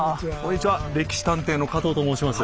「歴史探偵」の加藤と申します。